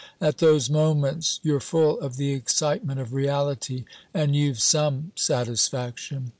At those moments you're full of the excitement of reality, and you've some satisfaction.